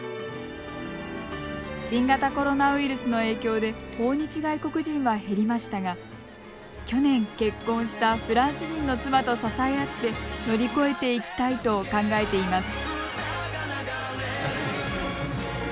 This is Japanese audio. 新型コロナウイルスの影響で訪日外国人は減りましたが去年、結婚したフランス人の妻と支え合って乗り越えていきたいと考えています。